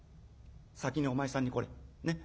先にお前さんにこれねっ？